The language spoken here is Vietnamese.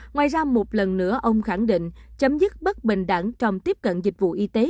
ngoài ra một lần nữa ông khẳng định chấm dứt bất bình đẳng trong tiếp cận dịch vụ y tế